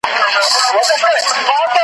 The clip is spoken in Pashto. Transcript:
پخوانیو تمدنونو لوی اثار پرېښي دي.